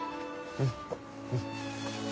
うん。